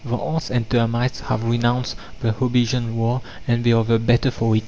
The ants and termites have renounced the "Hobbesian war," and they are the better for it.